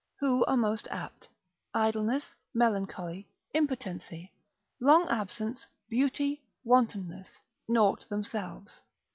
Who are most apt. Idleness, melancholy, impotency, long absence, beauty, wantonness, naught themselves.